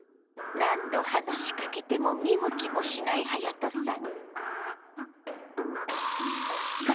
何度話しかけても見向きもしないはやとさん。